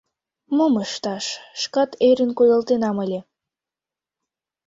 Мом ышташ, шкат ӧрын кудалтенам ыле.